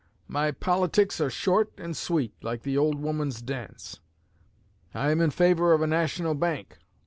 My politics are short and sweet, like the old woman's dance. I am in favor of a national bank.